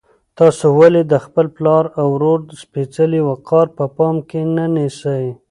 تاسو ولې د خپل پلار او ورور سپېڅلی وقار په پام کې نه نیسئ؟